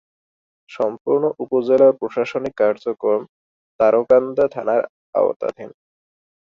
সম্পূর্ণ উপজেলার প্রশাসনিক কার্যক্রম তারাকান্দা থানার আওতাধীন।